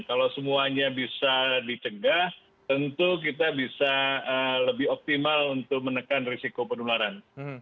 kalau semuanya bisa dicegah tentu kita bisa lebih optimal untuk menekan risiko penularan